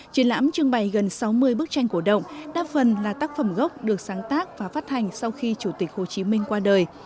triển lãm trưng bày gần sáu mươi bức tranh cổ động đa phần là tác phẩm gốc được sáng tác và phát hành sau khi chủ tịch hồ chí minh qua đời